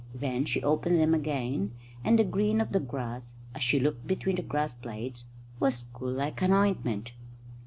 Then she opened them again, and the green of the grass, as she looked between the grass blades, was cool like an ointment.